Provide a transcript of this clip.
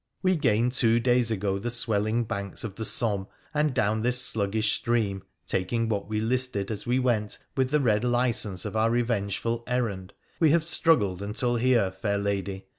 We gained two days ago the swelling banks of the Somme, and down this sluggish stream, taking what we listed as we went with the red license of our revengeful errand, we have struggled until here, fair lady.